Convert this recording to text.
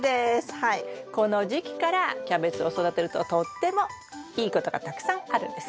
この時期からキャベツを育てるととってもいいことがたくさんあるんです。